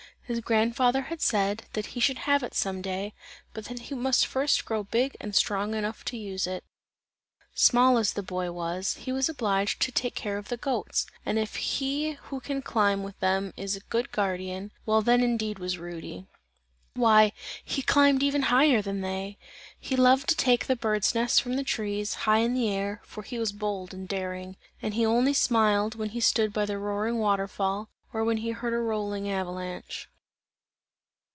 His grandfather had said, that he should have it some day, but that he must first grow big and strong enough to use it. Small as the boy was, he was obliged to take care of the goats, and if he who can climb with them is a good guardian, well then indeed was Rudy. Why he climbed even higher than they! He loved to take the bird's nests from the trees, high in the air, for he was bold and daring; and he only smiled when he stood by the roaring water fall, or when he heard a rolling avalanche.